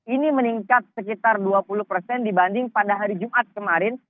ini meningkat sekitar dua puluh persen dibanding pada hari jumat kemarin